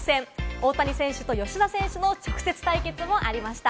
大谷選手と吉田選手の直接対決もありました。